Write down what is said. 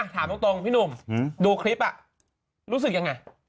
ถามตรงพี่หนุ่มดูคลิปรู้สึกยังไง